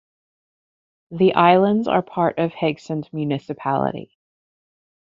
The islands are part of Haugesund municipality.